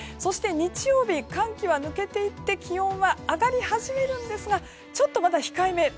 日曜日に寒気は抜けていって気温は上がり始めるんですがちょっとまだ控えめ。